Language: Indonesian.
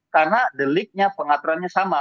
karena deliknya pengaturannya sama